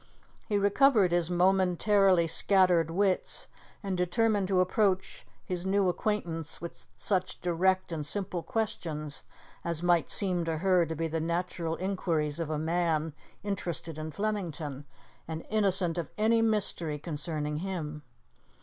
He recovered his momentarily scattered wits and determined to approach his new acquaintance with such direct and simple questions as might seem to her to be the natural inquiries of a man interested in Flemington, and innocent of any mystery concerning him.